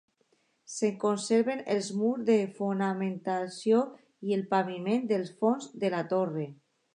Se'n conserven els murs de fonamentació i el paviment del fons de la torre.